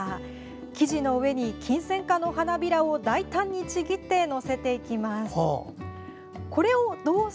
生地の上にキンセンカの花びらを大胆にちぎって載せていきます。